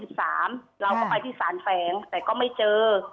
เราก็ไปที่สารแฝงแต่ก็ไม่เจอ